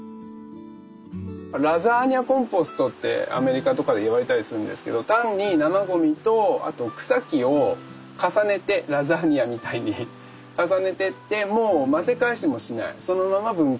ラザニアコンポストってアメリカとかで言われたりするんですけど単に生ゴミとあと草木を重ねてラザニアみたいに重ねてってもう混ぜ返しもしないそのまま分解していきますっていうもので。